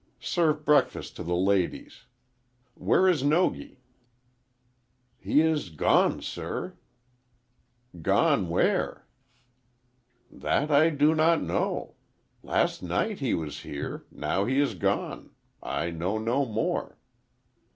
Serve breakfast to the ladies. Where is Nogi?" "He is gone, sir." "Gone where?" "That I do not know. Last night he was here. Now he is gone. I know no more."